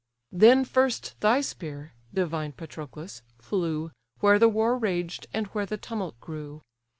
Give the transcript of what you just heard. Then first thy spear, divine Patroclus! flew, Where the war raged, and where the tumult grew.